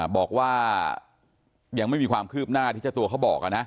บอกว่ายังไม่มีความคืบหน้าที่เจ้าตัวเขาบอกนะ